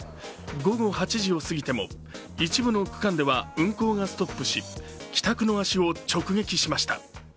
午後８時を過ぎても一部の区間では運行がストップし帰宅の足を直撃しました。